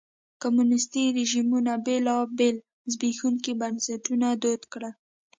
کمونیستي رژیمونو بېلابېل زبېښونکي بنسټونه دود کړل.